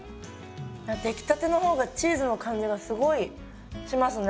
あっ出来たての方がチーズの感じがすごいしますね。